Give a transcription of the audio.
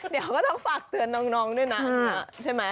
เดี๋ยวก็ต้องฝากเตือนน้องด้วยนะใช่ไหม